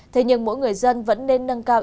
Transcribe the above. thế nhưng mỗi người dân vẫn nên nâng cao